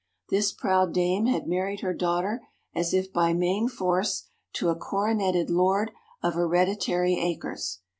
This proud dame had married her daughter as if by main force to a coroneted lord of hereditary acres.